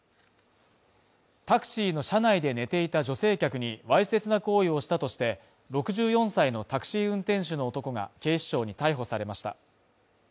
タクシーの車内で寝ていた女性客にわいせつな行為をしたとして、６４歳のタクシー運転手の男が警視庁に逮捕されました。